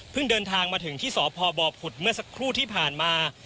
เดินทางมาถึงที่สพบผุดเมื่อสักครู่ที่ผ่านมา